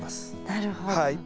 なるほど。